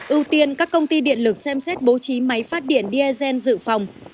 ưu tiên các công ty điện lực xem xét bố trí máy phát điện diesel dự phòng